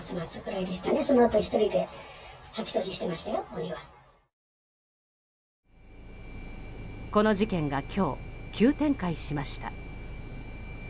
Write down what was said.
この事件が今日、急展開しました。